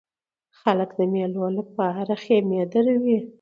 خلک د مېلو له پاره خیمې دروي.